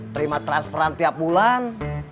terima transferan tiap bulan